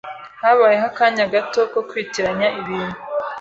Habayeho akanya gato ko kwitiranya ibintu.